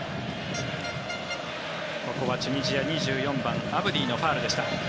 ここはチュニジア２４番、アブディのファウルでした。